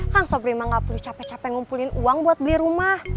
kang sobri emang gak perlu capek capek ngumpulin uang buat beli rumah